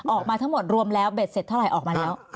ออกมาทั้งหมดรวมแล้วเบ็ดเสร็จเท่าไหร่ออกมาแล้ว